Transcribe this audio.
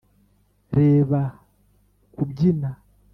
reba kubyina,